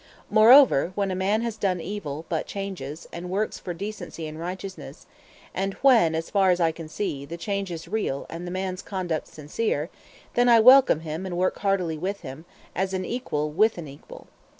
Moreover, when a man has done evil, but changes, and works for decency and righteousness, and when, as far as I can see, the change is real and the man's conduct sincere, then I welcome him and work heartily with him, as an equal with an equal.